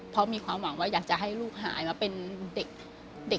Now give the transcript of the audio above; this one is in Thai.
เพราะมีความหวังว่าอยากจะให้ลูกหายมาเป็นเด็กปกติเหมือนคนอื่นเขาค่ะ